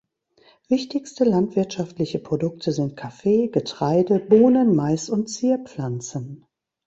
Wichtigste landwirtschaftliche Produkte sind Kaffee, Getreide, Bohnen, Mais und Zierpflanzen.